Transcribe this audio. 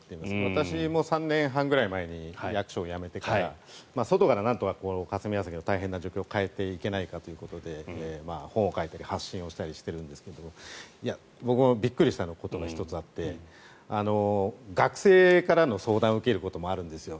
私も３年半ぐらい前に役所を辞めてから外からなんとか霞が関の大変な状況を変えていけないかということで本を書いたり発信したりしているんですが僕もびっくりしたことが１つあって学生からの相談を受けることもあるんですよ。